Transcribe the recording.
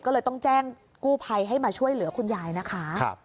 ก็เลยต้องแจ้งกู้ภัยให้มาช่วยเหลือคุณยายนะคะ